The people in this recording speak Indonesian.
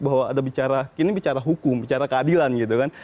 bahwa ada bicara ini bicara hukum bicara keadilan gitu kan